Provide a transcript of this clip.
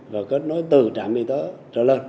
và kết nối từ trạm y tế cho lên